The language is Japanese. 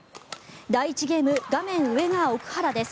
第１ゲーム画面上が奥原です。